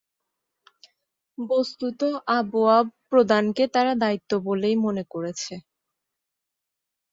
বস্ত্তত আবওয়াব প্রদানকে তারা দায়িত্ব বলেই মনে করেছে।